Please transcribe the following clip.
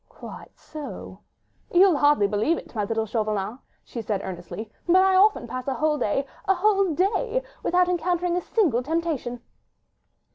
"Quite so!" "You'll hardly believe it, my little Chauvelin," she said earnestly, "but I often pass a whole day—a whole day—without encountering a single temptation."